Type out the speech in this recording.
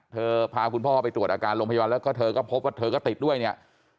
พาคุณพ่อไปตรวจอาการโรงพยาบาลแล้วก็เธอก็พบว่าเธอก็ติดด้วยเนี่ย